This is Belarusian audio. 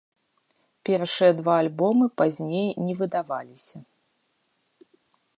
Першыя два альбомы пазней не выдаваліся.